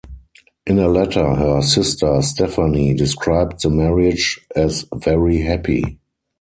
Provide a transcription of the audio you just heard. In a letter, her sister Stephanie described the marriage as very happy.